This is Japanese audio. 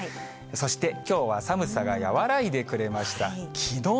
そして、きょうは寒さが和らいでくれました。